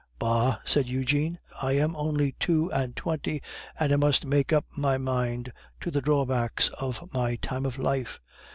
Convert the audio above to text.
"Bah!" said Eugene. "I am only two and twenty, and I must make up my mind to the drawbacks of my time of life.